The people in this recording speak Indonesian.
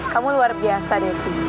kamu luar biasa devi